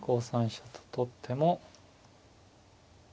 ５三飛車と取っても。